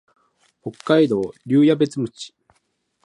北海道留夜別村